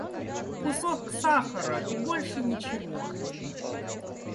Кусок сахара и больше ничего.